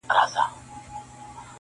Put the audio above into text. ښځي وویل ژر وزه دم تر دمه -